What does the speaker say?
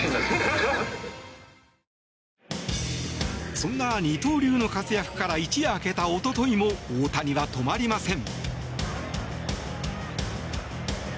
そんな二刀流の活躍から一夜明けた一昨日も大谷は止まりません。